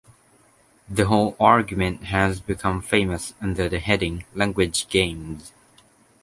The whole argument has become famous under the heading 'language games'.